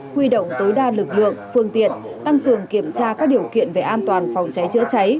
huy động tối đa lực lượng phương tiện tăng cường kiểm tra các điều kiện về an toàn phòng cháy chữa cháy